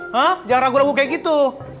hah jangan ragu ragu kayak gitu